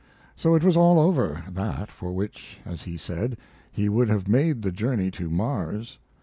So it was all over that for which, as he said, he would have made the journey to Mars.